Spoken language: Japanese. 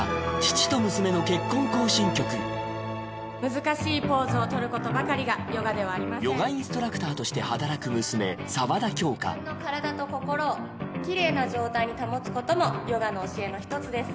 難しいポーズをとることばかりがヨガではありませんヨガインストラクターとして働く娘・沢田杏花自分の体と心をきれいな状態に保つこともヨガの教えの一つです